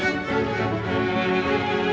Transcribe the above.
mereka masih mem abu